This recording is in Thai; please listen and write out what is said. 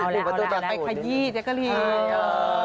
หูประตูต่อไปขยีจักริน